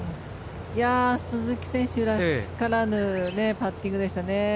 鈴木選手らしからぬパッティングでしたね。